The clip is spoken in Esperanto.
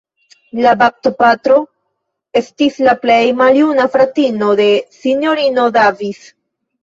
La baptopatrino estis la plej maljuna fratino de Sinjorino Davis.